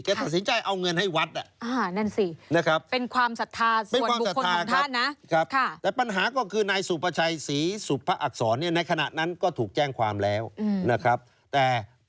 แกตัดสินใจเอาเงินให้วัดอ่ะ